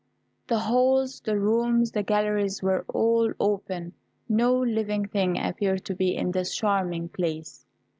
The halls, the rooms, the galleries were all open; no living thing appeared to be in this charming place.